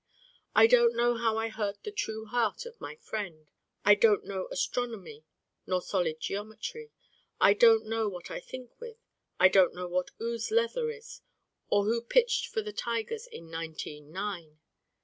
I Don't Know how I hurt the true heart of my friend: I don't know astronomy nor solid geometry: I don't know what I think with: I don't know what ooze leather is, nor who pitched for the Tigers in nineteen nine.